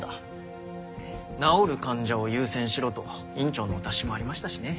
治る患者を優先しろと院長のお達しもありましたしね。